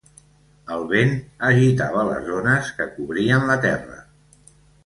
El vent agitava les ones que cobrien la terra.